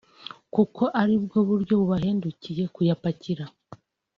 kuko ari bwo buryo bubahendukiye kuyapakiza